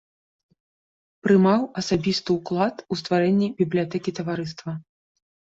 Прымаў асабісты ўклад у стварэнні бібліятэкі таварыства.